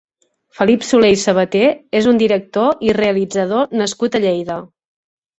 Felip Solé i Sabaté és un director i realitzador nascut a Lleida.